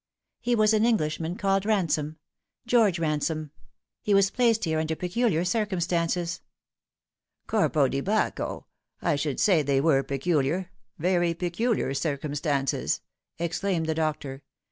" He was an Englishman called Ransom e George Ransome. He was placed here under peculiar circumstances." " Corpo di Bacco ! I should say they were peculiar, very peculiar circumstances !" exclaimed the doctor.